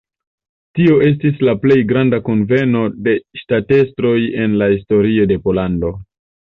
Tio estis la plej granda kunveno de ŝtatestroj en la historio de Pollando.